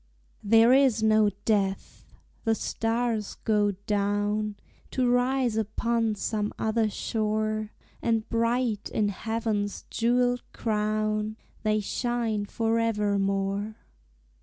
There is no death! the stars go down To rise upon some other shore, And bright in heaven's jewelled crown They shine forever more.